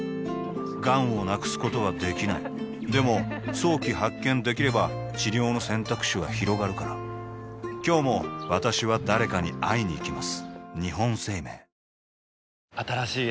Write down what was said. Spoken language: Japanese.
がんを無くすことはできないでも早期発見できれば治療の選択肢はひろがるから今日も私は誰かに会いにいきます